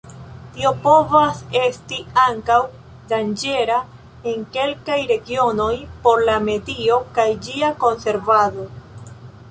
Tio povas esti ankaŭ danĝera en kelkaj regionoj por la medio kaj ĝia konservado.